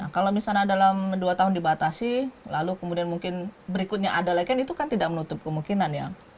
kalau misalnya dalam dua tahun dibatasi lalu kemudian mungkin berikutnya ada lagi itu kan tidak menutup kemungkinan ya